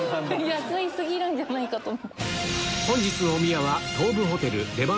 安過ぎるんじゃないかと。